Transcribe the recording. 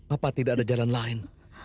apa tidak ada jalan lain